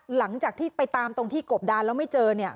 หลังจากที่ไปตามตรงที่กบดานแล้วไม่เจอเนี่ย